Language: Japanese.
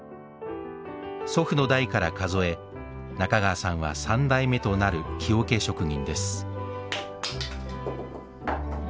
祖父の代から数え中川さんは３代目となる木桶職人です